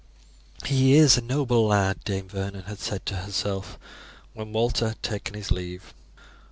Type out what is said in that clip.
"He is a noble lad," Dame Vernon had said to herself when Walter had taken his leave.